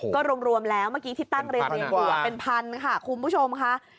ก็รวมแล้วเมื่อกี้ที่ตั้งเรียนอยู่เป็นพันค่ะคุณผู้ชมค่ะ